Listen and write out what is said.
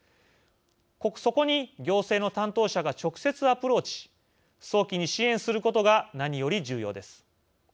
そこに行政の担当者が直接アプローチ早期に支援することが何より重要です。